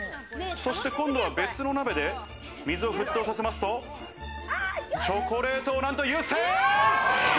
今度は別の鍋で水を沸騰させますと、チョコレートを何と湯煎。